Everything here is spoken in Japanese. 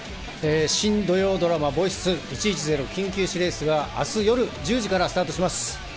新土曜ドラマ『ボイス２１１０緊急指令室』が明日夜１０時からスタートします。